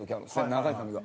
長い髪が。